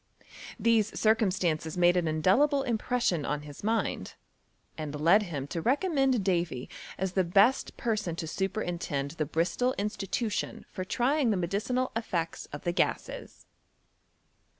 These circum stances made an indelible impression on his mind, and led him to recommend Davy as the best person to superintend the Bristol Institution for trying the medicinal eSects of the gases.